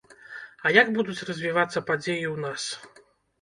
Але як будуць развівацца падзеі ў нас?